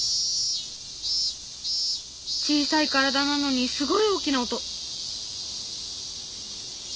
小さい体なのにすごい大きな音。